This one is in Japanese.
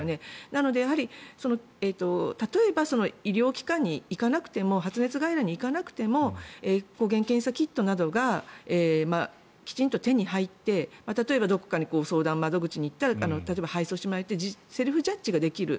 なのでやはり、例えば医療機関に行かなくても発熱外来に行かなくても抗原検査キットなどがきちんと手に入って例えばどこかの相談窓口に行ったら例えば、配送してもらえてセルフジャッジができる。